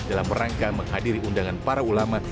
dalam rangka menghadiri undangan para ulama